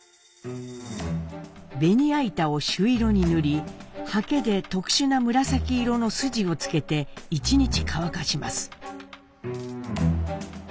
ベニヤ板を朱色に塗りはけで特殊な紫色の筋を付けて一日乾かします。